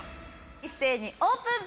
一斉にオープン！